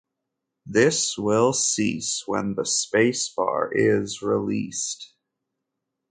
This will cease when the spacebar is released.